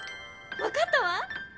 わかったわ！